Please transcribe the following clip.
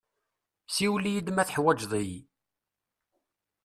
Siwel-iyi-d ma teḥwaǧeḍ-iyi.